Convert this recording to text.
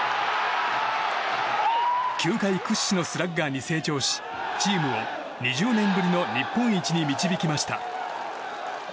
球界屈指のスラッガーに成長しチームを２０年ぶりの日本一に導きました。